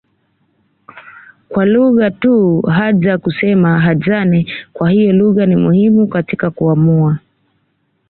kwa lugha tu Hadza kusema Hadzane kwa hiyo lugha ni muhimu katika kuamua